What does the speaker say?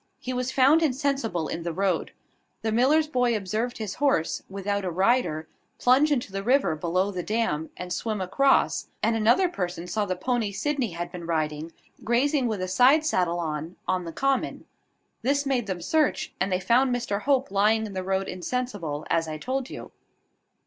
He was found insensible in the road. The miller's boy observed his horse, without a rider, plunge into the river below the dam, and swim across; and another person saw the pony Sydney had been riding, grazing with a side saddle on, on the common. This made them search, and they found Mr Hope lying in the road insensible, as I told you."